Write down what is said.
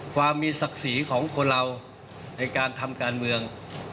ความมีศักดิ์ศรีของคนเราในการทำการเมือง